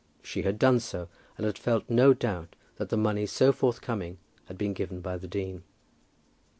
She had done so, and had felt no doubt that the money so forthcoming had been given by the dean.